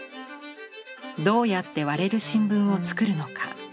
どうやって割れる新聞を作るのか。